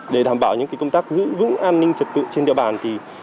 để đảm bảo những công tác giữ vững an ninh trật tự trên địa bàn